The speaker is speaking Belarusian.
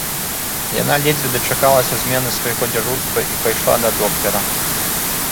Яна ледзьве дачакалася змены свайго дзяжурства і пайшла да доктара.